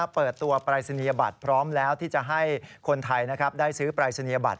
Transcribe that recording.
เปิดตัวปรายศนียบัตรพร้อมแล้วที่จะให้คนไทยได้ซื้อปรายศนียบัต